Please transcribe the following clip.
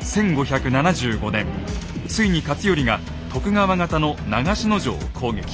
ついに勝頼が徳川方の長篠城を攻撃。